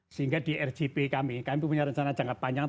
sehingga di rgp kami kami punya rencana jangka panjang